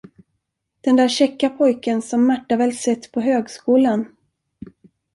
Den där käcka pojken som Märta väl sett på högskolan?